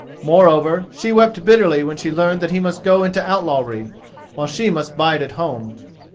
Moreover, she wept bitterly when she learned that he must go into outlawry, while she must bide at home.